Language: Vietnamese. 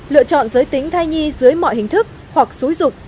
lựa chọn giới tính thai nhi dưới mọi hình thức hoặc xúi dục